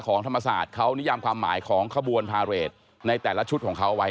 ธรรมศาสตร์เขานิยามความหมายของขบวนพาเรทในแต่ละชุดของเขาไว้